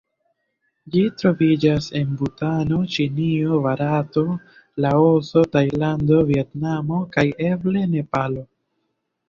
Ĝi troviĝas en Butano, Ĉinio, Barato, Laoso, Tajlando, Vjetnamo kaj eble Nepalo.